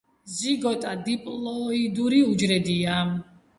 ზიგოტა დიპლოიდური უჯრედია.